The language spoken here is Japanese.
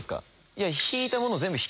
いや。